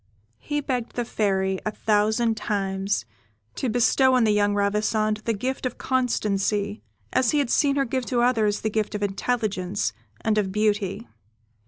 He begged the Fairy, a thousand times, to bestow on the young Ravissante the gift of constancy, as he had seen her give to others the gifts of intelligence and of beauty.